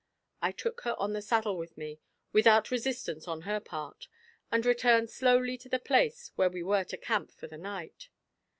I took her on the saddle with me, without resistance on her part, and returned slowly to the place where we were to camp for the night.